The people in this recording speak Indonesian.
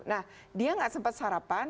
nah dia gak sempat sarapan